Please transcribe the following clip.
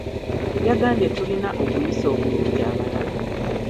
Yagambye tulina okuyisa obulungi abalala.